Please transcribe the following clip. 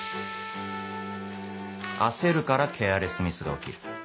焦るからケアレスミスが起きる。